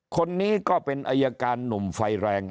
คนนี้ก็เป็นอายการหนุ่มไฟแรง